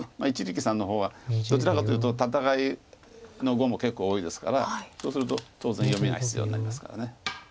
一力さんの方はどちらかというと戦いの碁も結構多いですからそうすると当然読みが必要になりますから。